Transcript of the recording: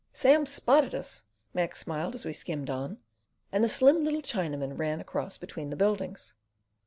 "Sam's spotted us!" Mac smiled as we skimmed on, and a slim little Chinaman ran across between the buildings.